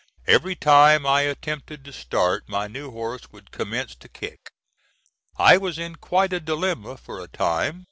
Every time I attempted to start, my new horse would commence to kick. I was in quite a dilemma for a time.